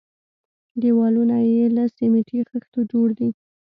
دېوالونه يې له سميټي خښتو جوړ دي.